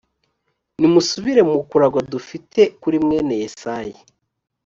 nimusubire mu kuragwa dufite kuri mwene yesayi